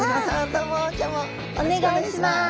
どうも今日もよろしくお願いします。